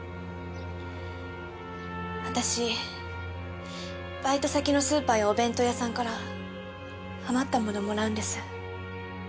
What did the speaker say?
私バイト先のスーパーやお弁当屋さんから余った物もらうんです。